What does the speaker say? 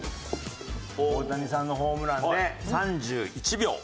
大谷さんのホームランで３１秒。